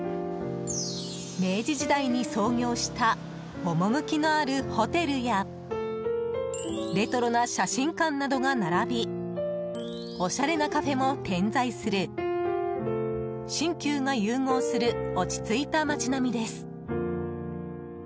明治時代に創業した趣のあるホテルやレトロな写真館などが並びおしゃれなカフェも点在する新旧が融合する落ち着いた街並みです。